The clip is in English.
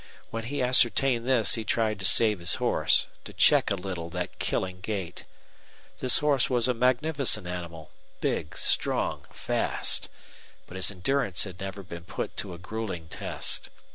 When he ascertained this he tried to save his horse, to check a little that killing gait. This horse was a magnificent animal, big, strong, fast; but his endurance had never been put to a grueling test.